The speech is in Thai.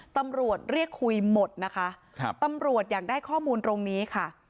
ตำรวจเรียกคุยหมดนะคะครับตำรวจอยากได้ข้อมูลตรงนี้ค่ะ